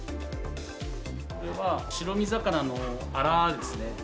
これは白身魚のあらですね。